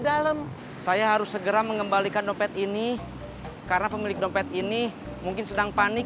dalam saya harus segera mengembalikan dompet ini karena pemilik dompet ini mungkin sedang panik